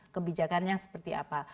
kebijakannya seperti apa